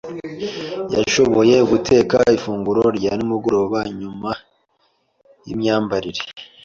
Yashoboye guteka ifunguro rya nimugoroba, nyuma yimyambarire.